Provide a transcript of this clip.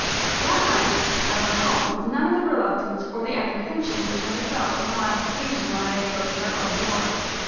That night I went home with none of the reluctance or the apprehension which I had felt on the last occasion, when I approached our own door.